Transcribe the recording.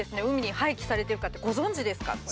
海に廃棄されてるかってご存じですか？